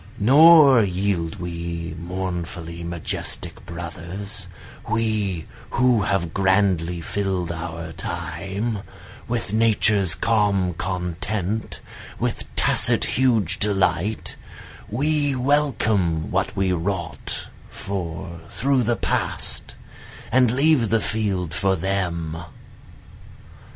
Nor yield we mournfully majestic brothers, We who have grandly fill'd our time, With Nature's calm content, with tacit huge delight, We welcome what we wrought for through the past, And leave the field for them.